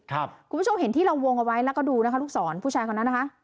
คุณผู้ชมเห็นที่เราวงเอาไว้แล้วก็ดูนะคะลูกศรผู้ชายคนนั้นนะคะ